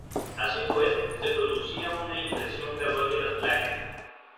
Así pues, se producía una impresión gradual de las placas.